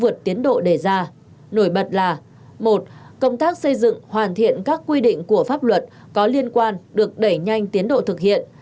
một công tác xây dựng hoàn thiện các quy định của pháp luật có liên quan được đẩy nhanh tiến độ thực hiện